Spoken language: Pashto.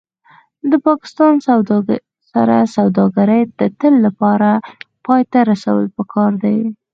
د پاکستان سره سوداګري د تل لپاره پای ته رسول پکار دي